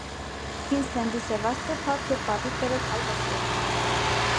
«Քվինսլենդի սև աստղը» փառք և պատիվ բերեց հայ ոսկերչին։